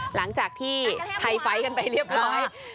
หลังจากที่ไทยไฟล์กันไปเรียบร้อย